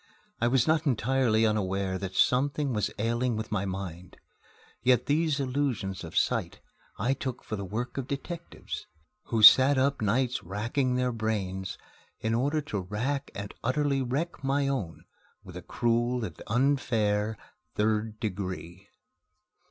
I was not entirely unaware that something was ailing with my mind. Yet these illusions of sight I took for the work of detectives, who sat up nights racking their brains in order to rack and utterly wreck my own with a cruel and unfair Third Degree.